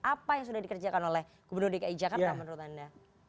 apa yang sudah dikerjakan oleh gubernur dki jakarta menurut anda